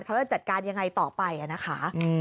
เขาจะจัดการยังไงต่อไปนะคะ